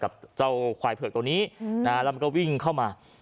กับเจ้าควายเผือกตัวนี้แล้วมันก็วิ่งเข้ามา